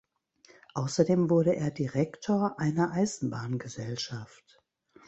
Außerdem wurde er Direktor einer Eisenbahngesellschaft.